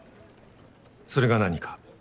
それが何か？